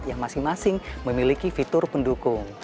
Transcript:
yang masing masing memiliki fitur pendukung